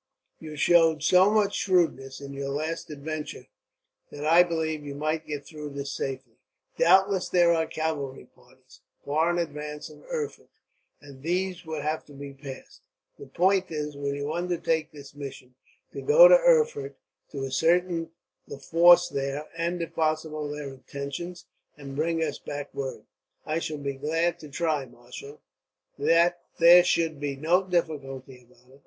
"You showed so much shrewdness, in your last adventure, that I believe you might get through this safely. Doubtless there are cavalry parties, far in advance of Erfurt, and these would have to be passed. The point is, will you undertake this mission, to go to Erfurt to ascertain the force there, and if possible their intentions, and bring us back word?" "I shall be glad to try, marshal. There should be no difficulty about it.